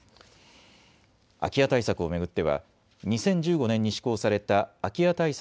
空き家対策を巡っては２０１５年に施行された空き家対策